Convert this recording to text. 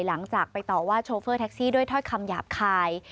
หลังจากไปต่อว่าโชเฟอร์แท็กซี่ด้วยถ้อยคำหยาบคาย